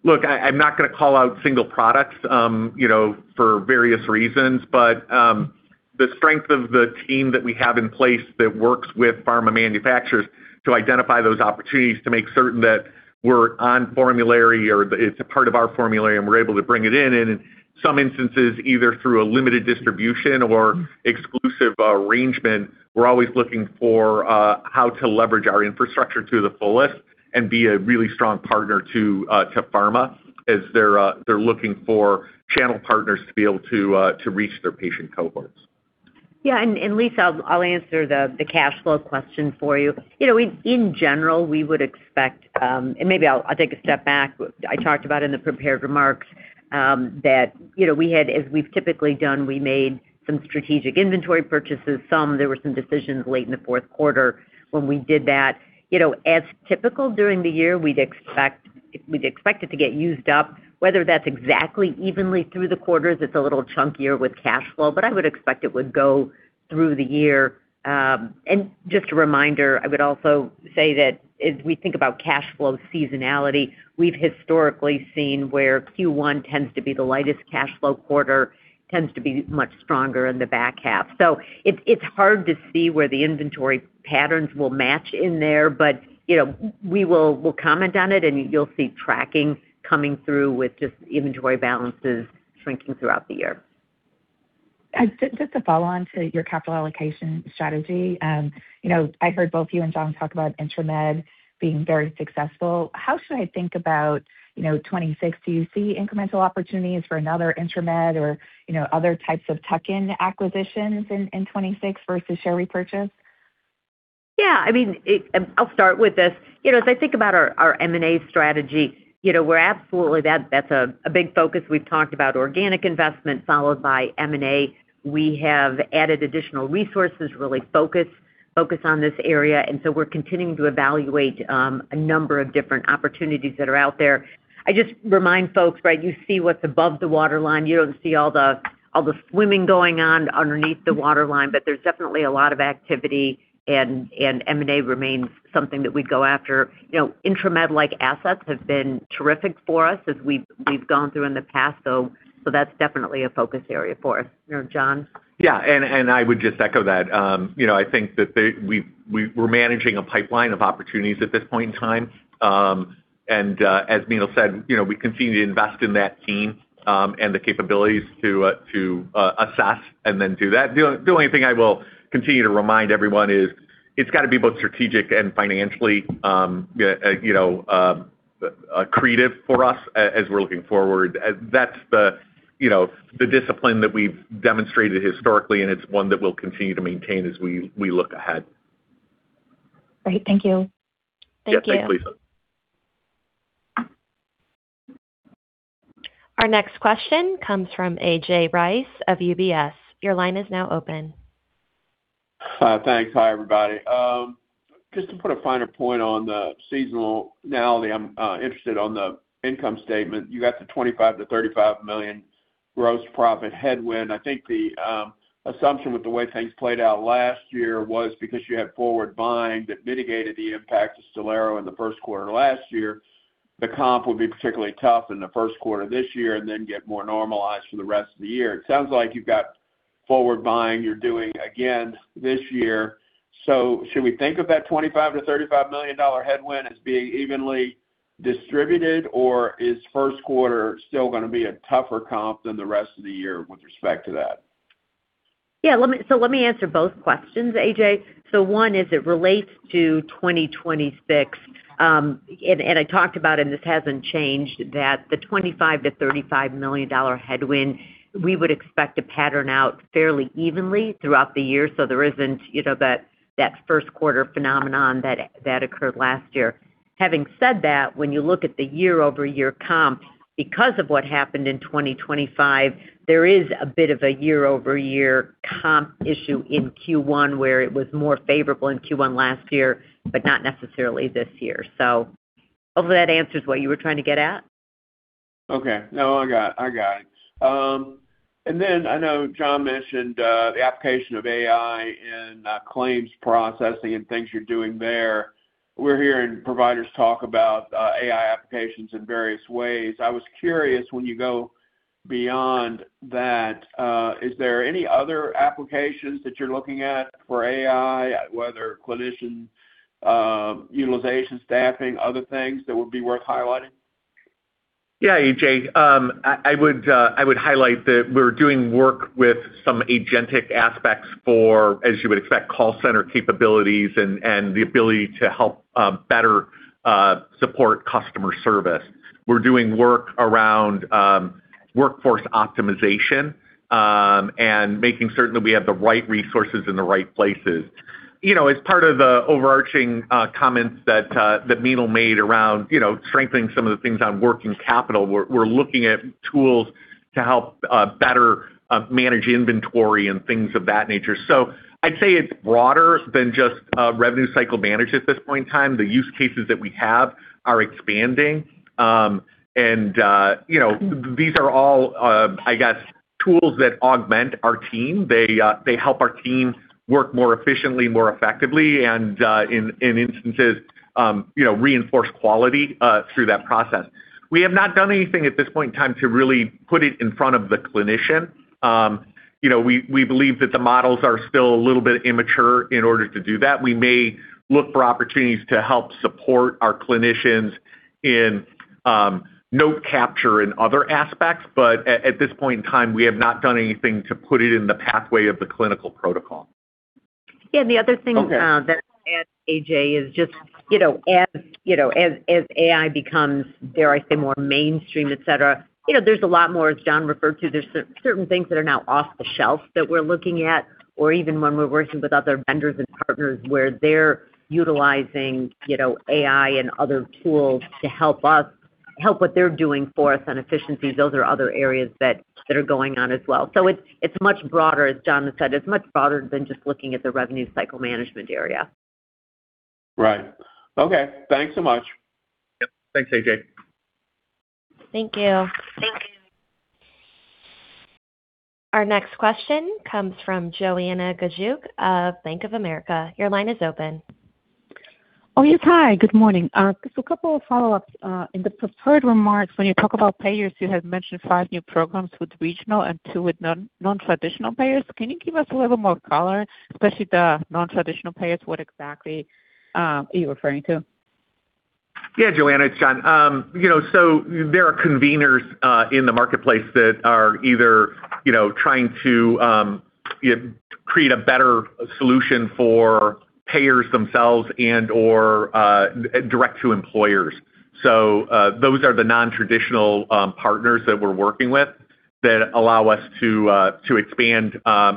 Look, I'm not going to call out single products, you know, for various reasons, but the strength of the team that we have in place that works with pharma manufacturers to identify those opportunities, to make certain that we're on formulary or it's a part of our formulary, and we're able to bring it in, and in some instances, either through a limited distribution or exclusive arrangement, we're always looking for how to leverage our infrastructure to the fullest and be a really strong partner to pharma as they're looking for channel partners to be able to reach their patient cohorts. Yeah, Lisa, I'll answer the cash flow question for you. You know, in general, we would expect, and maybe I'll take a step back. I talked about in the prepared remarks that, you know, we had, as we've typically done, we made some strategic inventory purchases. Some there were some decisions late in the Q4 when we did that. You know, as typical during the year, we'd expect it to get used up, whether that's exactly evenly through the quarters, it's a little chunkier with cash flow, but I would expect it would go through the year. Just a reminder, I would also say that as we think about cash flow seasonality, we've historically seen where Q1 tends to be the lightest cash flow quarter, tends to be much stronger in the back half. It's hard to see where the inventory patterns will match in there, but, you know, we will comment on it, and you'll see tracking coming through with just inventory balances shrinking throughout the year. Just to follow on to your capital allocation strategy. You know, I heard both you and John talk about Intramed being very successful. How should I think about, you know, Uncertain incremental opportunities for another Intramed or, you know, other types of tuck-in acquisitions in 2026 versus share repurchase? Yeah, I mean, I'll start with this. You know, as I think about our M&A strategy, you know, we're absolutely that's a big focus. We've talked about organic investment followed by M&A. We have added additional resources, really focus on this area. We're continuing to evaluate a number of different opportunities that are out there. I just remind folks, right, you see what's above the waterline. You don't see all the swimming going on underneath the waterline. There's definitely a lot of activity and M&A remains something that we'd go after. You know, Intramed-like assets have been terrific for us as we've gone through in the past. That's definitely a focus area for us. You know, John? Yeah, and I would just echo that. You know, I think that we're managing a pipeline of opportunities at this point in time. As Neel said, you know, we continue to invest in that team, and the capabilities to assess and then do that. The only thing I will continue to remind everyone is, it's got to be both strategic and financially, you know, creative for us as we're looking forward. That's the, you know, the discipline that we've demonstrated historically, and it's one that we'll continue to maintain as we look ahead. Great. Thank you. Thank you. Yeah, thanks, Lisa. Our next question comes from A.J. Rice of UBS. Your line is now open. Thanks. Hi, everybody. Just to put a finer point on the seasonality, I'm interested on the income statement. You got the $25 million35 million gross profit headwind. I think the assumption with the way things played out last year was because you had forward buying that mitigated the impact of Stelara in the Q1 last year. The comp will be particularly tough in the Q1 this year, and then get more normalized for the rest of the year. It sounds like you've got forward buying you're doing again this year. Should we think of that $25 million-$35 million headwind as being evenly distributed, or is Q1 still gonna be a tougher comp than the rest of the year with respect to that? Yeah, let me answer both questions, A.J. One is, it relates to 2026, and I talked about, and this hasn't changed, that the $25 million-35 million headwind, we would expect to pattern out fairly evenly throughout the year. There isn't, you know, that Q1 phenomenon that occurred last year. Having said that, when you look at the year-over-year comp, because of what happened in 2025, there is a bit of a year-over-year comp issue in Q1, where it was more favorable in Q1 last year, but not necessarily this year. Hopefully that answers what you were trying to get at. Okay. No, I got it. I know John mentioned the application of AI in claims processing and things you're doing there. We're hearing providers talk about AI applications in various ways. I was curious, when you go beyond that, is there any other applications that you're looking at for AI, whether clinician, utilization, staffing, other things that would be worth highlighting? A.J. I would highlight that we're doing work with some agentic aspects for, as you would expect, call center capabilities and the ability to help better support customer service. We're doing work around workforce optimization and making certain that we have the right resources in the right places. You know, as part of the overarching comments that Meenal made around, you know, strengthening some of the things on working capital, we're looking at tools to help better manage inventory and things of that nature. I'd say it's broader than just revenue cycle management at this point in time. The use cases that we have are expanding. You know, these are all, I guess, tools that augment our team. They help our team work more efficiently, more effectively, and in instances, you know, reinforce quality through that process. We have not done anything at this point in time to really put it in front of the clinician. You know, we believe that the models are still a little bit immature in order to do that. We may look for opportunities to help support our clinicians in note capture and other aspects, but at this point in time, we have not done anything to put it in the pathway of the clinical protocol. Yeah, the other thing, that, A.J., is just, you know, as, you know, as AI becomes, dare I say, more mainstream, et cetera, you know, there's a lot more, as John referred to, certain things that are now off the shelf that we're looking at, or even when we're working with other vendors and partners, where they're utilizing, you know, AI and other tools to help us, help what they're doing for us on efficiencies. Those are other areas that are going on as well. It's much broader, as John said, it's much broader than just looking at the revenue cycle management area. Right. Okay. Thanks so much. Yep. Thanks, A.J. Thank you. Thank you. Our next question comes from Joanna Gajuk of Bank of America. Your line is open. Oh, yes. Hi, good morning. Just a couple of follow-ups. In the prepared remarks, when you talk about payers, you had mentioned five new programs with regional and two with nontraditional payers. Can you give us a little more color, especially the nontraditional payers, what exactly, are you referring to? Yeah, Joanna, it's John. You know, so there are conveners in the marketplace that are either, you know, trying to create a better solution for payers themselves and or direct to employers. Those are the nontraditional partners that we're working with that allow us to expand,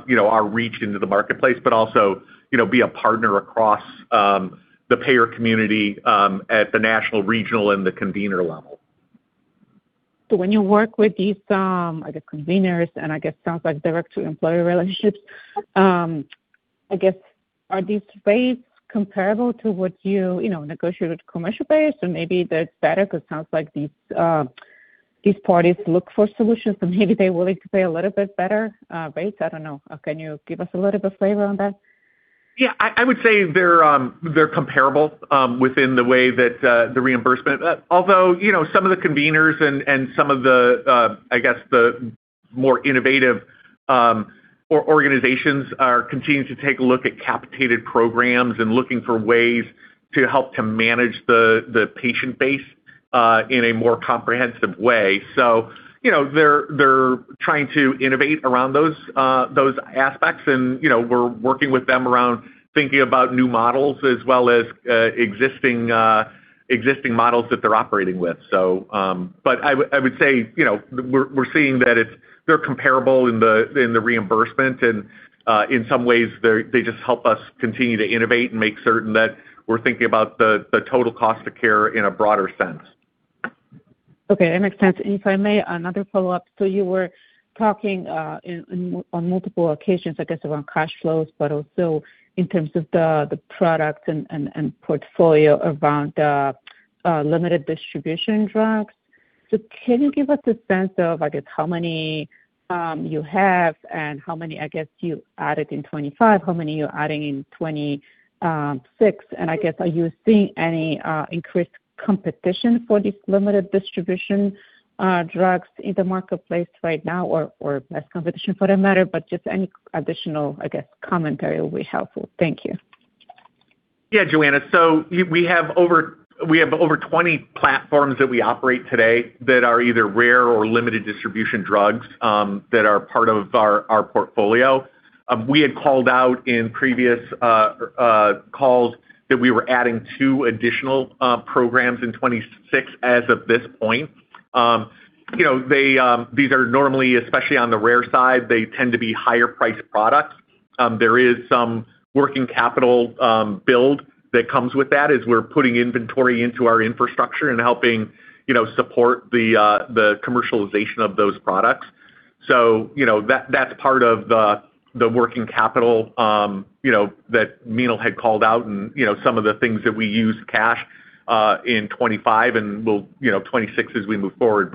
you know, our reach into the marketplace, but also, you know, be a partner across the payer community at the national, regional, and the convener level. When you work with these, I guess, conveners, and I guess sounds like direct to employer relationships, I guess, are these rates comparable to what you know, negotiate with commercial payers? Maybe they're better, because it sounds like these parties look for solutions, and maybe they're willing to pay a little bit better rates. I don't know. Can you give us a little bit of flavor on that? Yeah, I would say they're comparable within the way that the reimbursement. Although, you know, some of the conveners and some of the, I guess, the more innovative organizations are continuing to take a look at capitated programs and looking for ways to help to manage the patient base in a more comprehensive way. You know, they're trying to innovate around those aspects, and, you know, we're working with them around thinking about new models as well as existing models that they're operating with, so. I would say, you know, we're seeing that they're comparable in the, in the reimbursement, and in some ways, they just help us continue to innovate and make certain that we're thinking about the total cost of care in a broader sense. Okay, that makes sense. If I may, another follow-up. You were talking, in, on multiple occasions, I guess, around cash flows, but also in terms of the product and portfolio around limited distribution drugs. Can you give us a sense of, I guess, how many you have and how many, I guess, you added in 25, how many you're adding in 26? I guess, are you seeing any increased competition for these limited distribution drugs in the marketplace right now, or less competition for that matter, but just any additional, I guess, commentary will be helpful. Thank you. Yeah, Joanna, so we have over 20 platforms that we operate today that are either rare or limited distribution drugs that are part of our portfolio. We had called out in previous calls that we were adding two additional programs in 2026 as of this point. You know, these are normally, especially on the rare side, they tend to be higher priced products. There is some working capital build that comes with that as we're putting inventory into our infrastructure and helping, you know, support the commercialization of those products. you know, that's part of the working capital, you know, that Meenal had called out and, you know, some of the things that we use cash in 25 and we'll, you know, 26 as we move forward.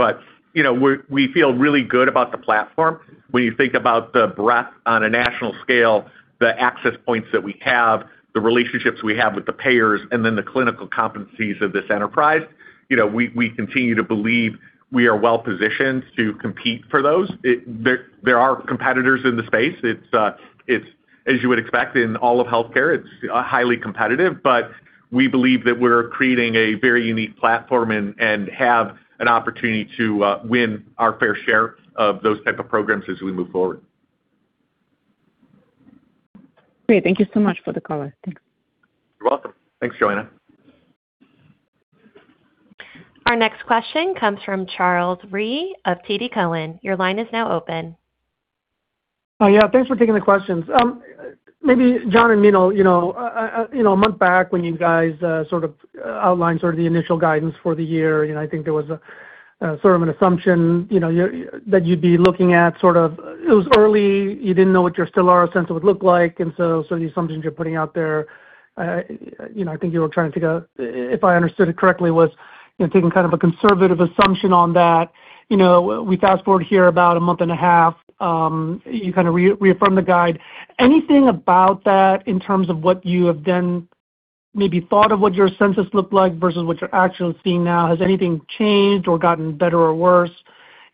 you know, we feel really good about the platform. When you think about the breadth on a national scale, the access points that we have, the relationships we have with the payers, and then the clinical competencies of this enterprise, you know, we continue to believe we are well positioned to compete for those. There are competitors in the space. It's, as you would expect in all of healthcare, it's, highly competitive. We believe that we're creating a very unique platform and have an opportunity to win our fair share of those type of programs as we move forward. Great. Thank you so much for the color. Thanks. You're welcome. Thanks, Joanna. Our next question comes from Charles Rhyee of TD Cowen. Your line is now open. Yeah, thanks for taking the questions. Maybe John and Meenal, you know, a month back when you guys sort of outlined sort of the initial guidance for the year, you know, I think there was sort of an assumption, you know, that you'd be looking at sort of... It was early, you didn't know what your Stelara sense would look like, and so some of the assumptions you're putting out there, you know, I think you were trying to figure out, if I understood it correctly, was, you know, taking kind of a conservative assumption on that. You know, we fast-forward here about a month and a half, you kind of reaffirm the guide. Anything about that in terms of what you have then maybe thought of what your census looked like versus what you're actually seeing now? Has anything changed or gotten better or worse?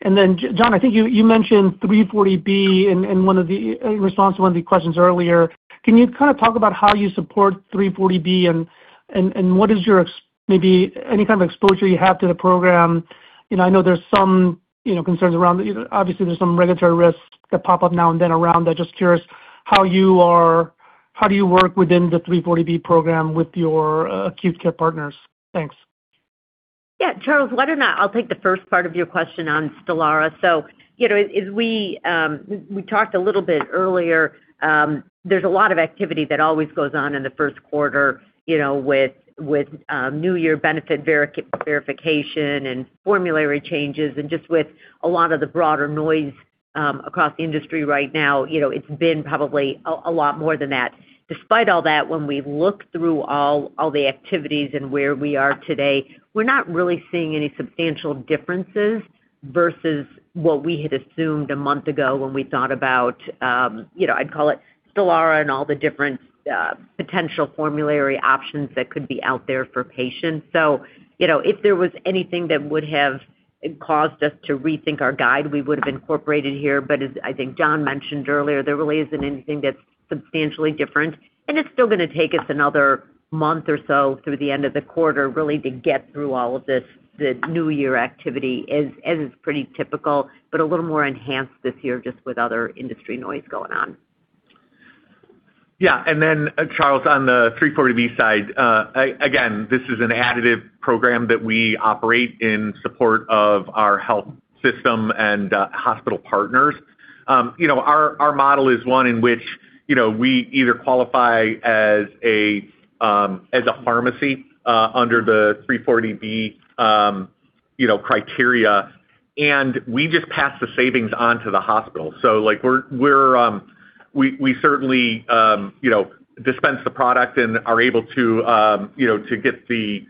John, I think you mentioned 340B in one of the, in response to one of the questions earlier. Can you kind of talk about how you support 340B and what is your maybe any kind of exposure you have to the program? You know, I know there's some, you know, concerns around, obviously, there's some regulatory risks that pop up now and then around that. Just curious how do you work within the 340B program with your acute care partners? Thanks. Yeah, Charles, why don't I'll take the first part of your question on Stelara. You know, as we talked a little bit earlier, there's a lot of activity that always goes on in the Q1, you know, with new year benefit verification and formulary changes, and just with a lot of the broader noise across the industry right now, you know, it's been probably a lot more than that. Despite all that, when we look through all the activities and where we are today, we're not really seeing any substantial differences versus what we had assumed a month ago when we thought about, you know, I'd call it Stelara and all the different potential formulary options that could be out there for patients. You know, if there was anything that would have caused us to rethink our guide, we would have incorporated here. As I think John mentioned earlier, there really isn't anything that's substantially different, and it's still gonna take us another month or so through the end of the quarter, really, to get through all of this, the new year activity. As is pretty typical, but a little more enhanced this year, just with other industry noise going on. Charles, on the 340B side, again, this is an additive program that we operate in support of our health system and hospital partners. You know, our model is one in which, you know, we either qualify as a pharmacy under the 340B, you know, criteria, and we just pass the savings on to the hospital. We're, we certainly, you know, dispense the product and are able to, you know, to get the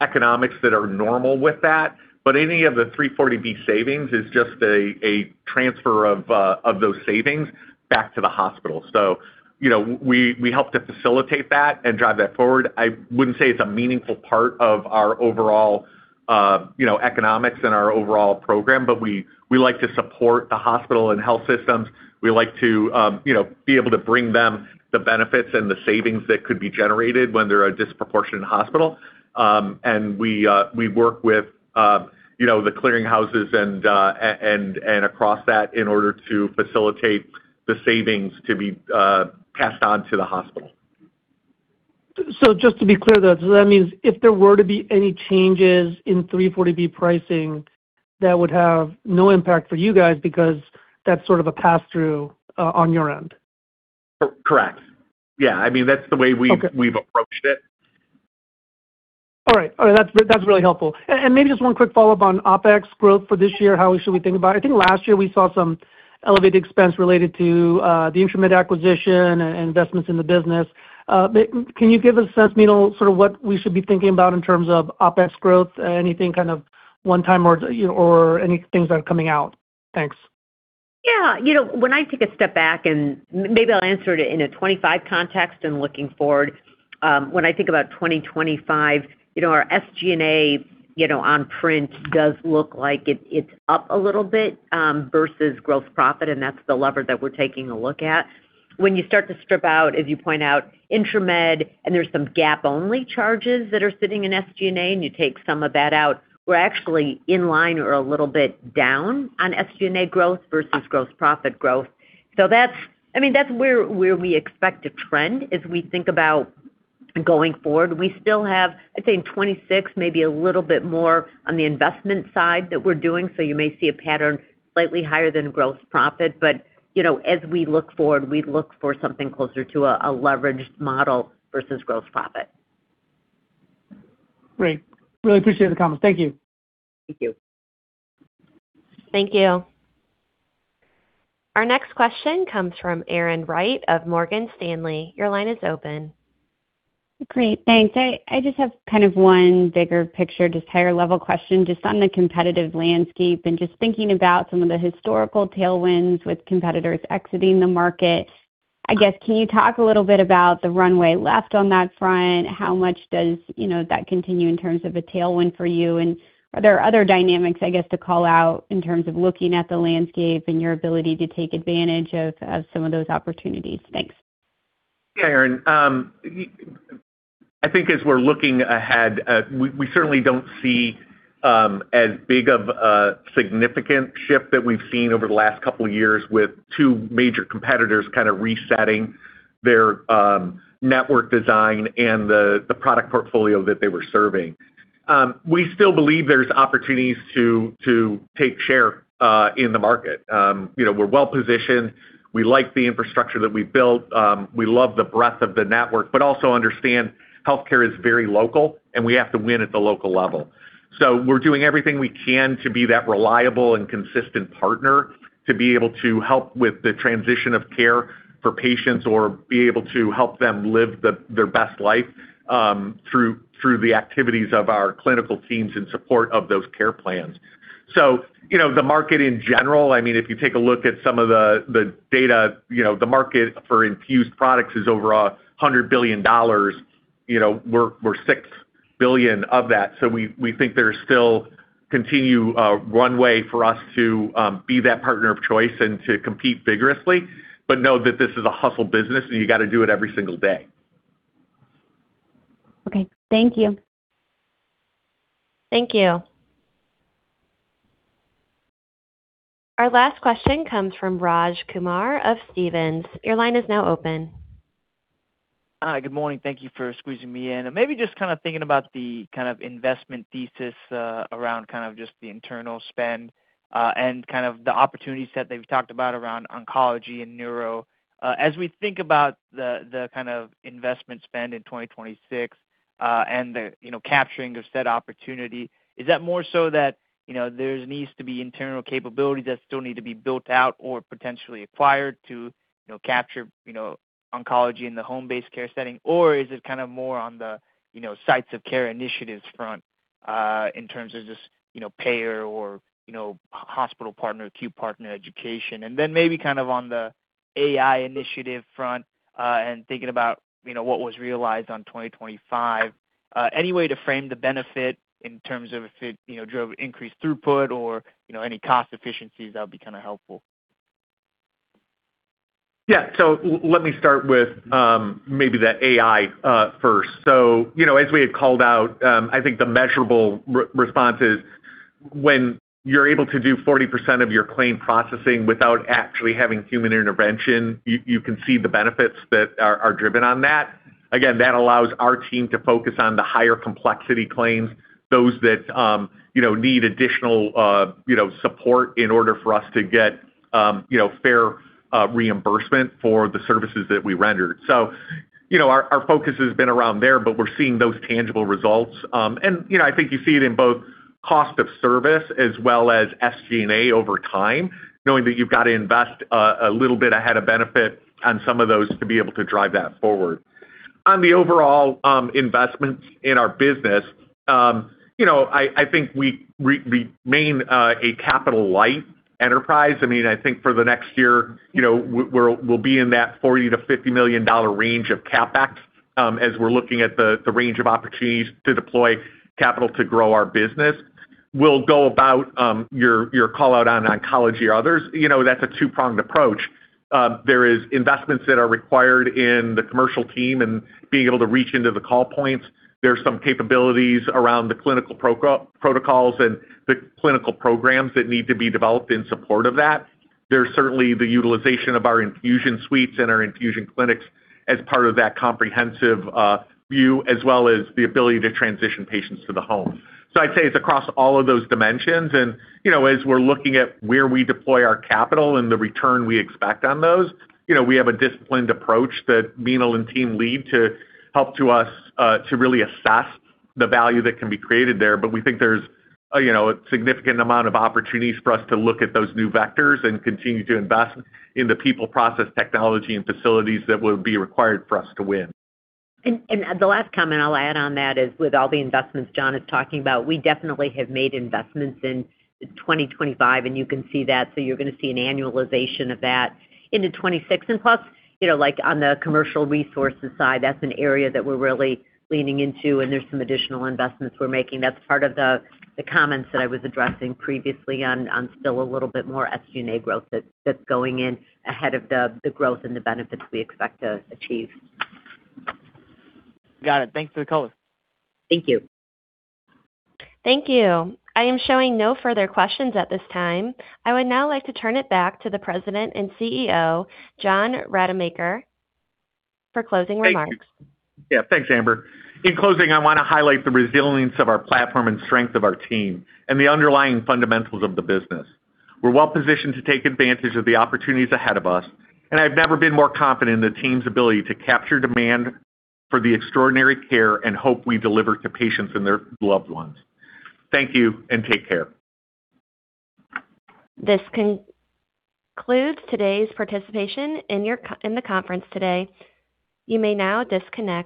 economics that are normal with that. Any of the 340B savings is just a transfer of those savings back to the hospital. You know, we help to facilitate that and drive that forward. I wouldn't say it's a meaningful part of our overall, you know, economics and our overall program. We, we like to support the hospital and health systems. We like to, you know, be able to bring them the benefits and the savings that could be generated when they're a disproportionate hospital. We, we work with, you know, the clearing houses and across that in order to facilitate the savings to be passed on to the hospital. Just to be clear, though, that means if there were to be any changes in 340B pricing, that would have no impact for you guys because that's sort of a pass-through on your end? correct. Yeah, I mean, that's the way. Okay. we've approached it. All right. That's really helpful. Maybe just one quick follow-up on OpEx growth for this year, how should we think about it? I think last year we saw some elevated expense related to the instrument acquisition and investments in the business. Can you give a sense, Meenal, sort of what we should be thinking about in terms of OpEx growth, anything kind of one-time or, you know, any things that are coming out? Thanks. Yeah. You know, when I take a step back, maybe I'll answer it in a 2025 context and looking forward. When I think about 2025, you know, our SG&A, you know, on print does look like it's up a little bit versus gross profit, and that's the lever that we're taking a look at. when you start to strip out, as you point out, Intramed, and there's some GAAP-only charges that are sitting in SG&A, and you take some of that out, we're actually in line or a little bit down on SG&A growth versus gross profit growth. That's, I mean, that's where we expect to trend as we think about going forward. We still have, I think, 26, maybe a little bit more on the investment side that we're doing. You may see a pattern slightly higher than gross profit, but, you know, as we look forward, we look for something closer to a leveraged model versus gross profit. Great. Really appreciate the comments. Thank you. Thank you. Thank you. Our next question comes from Erin Wright of Morgan Stanley. Your line is open. Great. Thanks. I just have kind of one bigger picture, just higher level question, just on the competitive landscape and just thinking about some of the historical tailwinds with competitors exiting the market. I guess, can you talk a little bit about the runway left on that front? How much does, you know, that continue in terms of a tailwind for you? Are there other dynamics, I guess, to call out in terms of looking at the landscape and your ability to take advantage of some of those opportunities? Thanks. Yeah, Erin, I think as we're looking ahead, we certainly don't see as big of a significant shift that we've seen over the last couple of years with two major competitors kind of resetting their network design and the product portfolio that they were serving. We still believe there's opportunities to take share in the market. You know, we're well positioned. We like the infrastructure that we've built, we love the breadth of the network, but also understand healthcare is very local, and we have to win at the local level. We're doing everything we can to be that reliable and consistent partner, to be able to help with the transition of care for patients or be able to help them live their best life, through the activities of our clinical teams in support of those care plans. You know, the market in general, I mean, if you take a look at some of the data, you know, the market for infused products is over $100 billion. You know, we're $6 billion of that. We think there's still continue runway for us to be that partner of choice and to compete vigorously, but know that this is a hustle business, and you got to do it every single day. Okay. Thank you. Thank you. Our last question comes from Raj Kumar of Stephens. Your line is now open. Good morning. Thank you for squeezing me in. Maybe just kind of thinking about the kind of investment thesis, around kind of just the internal spend, and kind of the opportunities that they've talked about around oncology and neuro. As we think about the kind of investment spend in 2026, and the, you know, capturing of said opportunity, is that more so that, you know, there's needs to be internal capability that still need to be built out or potentially acquired to, you know, capture, you know, oncology in the home-based care setting? Or is it kind of more on the, you know, sites of care initiatives front, in terms of just, you know, payer or, you know, hospital partner, acute partner education? Maybe kind of on the AI initiative front, and thinking about, you know, what was realized on 2025, any way to frame the benefit in terms of if it, you know, drove increased throughput or, you know, any cost efficiencies, that would be kind of helpful. Yeah. Let me start with maybe the AI first. You know, as we had called out, I think the measurable response is when you're able to do 40% of your claim processing without actually having human intervention, you can see the benefits that are driven on that. Again, that allows our team to focus on the higher complexity claims, those that, you know, need additional, you know, support in order for us to get, you know, fair reimbursement for the services that we rendered. You know, our focus has been around there, but we're seeing those tangible results. You know, I think you see it in both cost of service as well as SG&A over time, knowing that you've got to invest a little bit ahead of benefit on some of those to be able to drive that forward. On the overall, you know, I think we remain a capital-light enterprise. I mean, I think for the next year, you know, we'll be in that $40 million-50 million range of CapEx as we're looking at the range of opportunities to deploy capital to grow our business. We'll go about your call-out on oncology or others. You know, that's a two-pronged approach. There is investments that are required in the commercial team and being able to reach into the call points. There are some capabilities around the clinical protocols and the clinical programs that need to be developed in support of that. There's certainly the utilization of our infusion suites and our infusion clinics as part of that comprehensive view, as well as the ability to transition patients to the home. I'd say it's across all of those dimensions. You know, as we're looking at where we deploy our capital and the return we expect on those, you know, we have a disciplined approach that Meenal and team lead to help to us to really assess the value that can be created there. We think there's, you know, a significant amount of opportunities for us to look at those new vectors and continue to invest in the people, process, technology, and facilities that would be required for us to win. The last comment I'll add on that is, with all the investments John is talking about, we definitely have made investments in 2025, and you can see that. You're gonna see an annualization of that into 2026. Plus, you know, like on the commercial resources side, that's an area that we're really leaning into, and there's some additional investments we're making. That's part of the comments that I was addressing previously on still a little bit more SG&A growth that's going in ahead of the growth and the benefits we expect to achieve. Got it. Thanks for the color. Thank you. Thank you. I am showing no further questions at this time. I would now like to turn it back to the President and CEO, John Rademacher, for closing remarks. Thank you. Yeah, thanks, Amber. In closing, I want to highlight the resilience of our platform and strength of our team and the underlying fundamentals of the business. We're well positioned to take advantage of the opportunities ahead of us, and I've never been more confident in the team's ability to capture demand for the extraordinary care and hope we deliver to patients and their loved ones. Thank you, and take care. This concludes today's participation in the conference today. You may now disconnect.